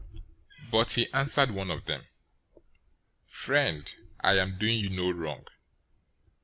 020:013 "But he answered one of them, 'Friend, I am doing you no wrong.